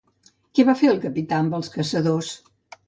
Què va fer el capità amb els caçadors?